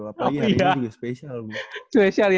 apalagi hari ini juga spesial ya